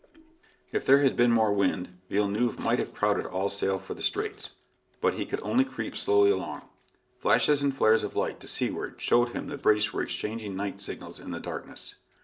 If there had been more wind, Villeneuve might have crowded all sail for the Straits, but he could only creep slowly along. Flashes and flares of light to seaward showed him the British were exchanging night signals in the darkness.